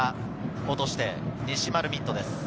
落として西丸道人です。